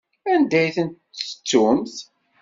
Anda i tent-tettumt?